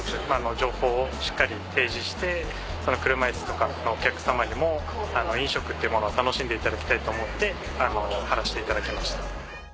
情報をしっかり提示して車いすとかのお客様にも飲食っていうものを楽しんでいただきたいと思って貼らせていただきました。